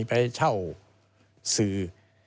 ไปเช่าสื่อ